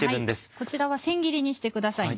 こちらは千切りにしてくださいね。